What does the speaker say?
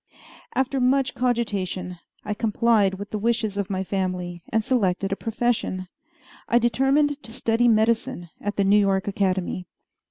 After much cogitation, I complied with the wishes of my family, and selected a profession. I determined to study medicine at the New York Academy.